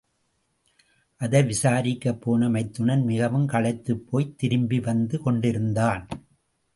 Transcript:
அதை விசாரிக்கப் போன மைத்துனன் மிகவும் களைத்துப்போய் திரும்பிவந்து கொண்டிருந்தான்.